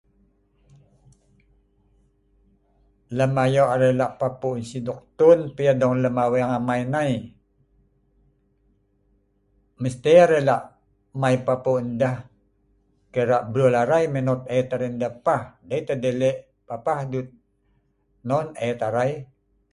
Lem ayoq arai la’ papuq ngan si’ duktun dong lem aweng amai nai mesti arai la’ mai papuq nah deeh kira bruel arai menot eed arai nah deeh pah dei tah deeh le’ papah duet non eed arai